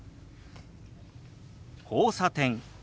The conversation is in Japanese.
「交差点」。